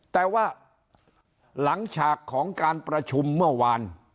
แต่ว่าหลังฉากของการประชุมเมื่อวาน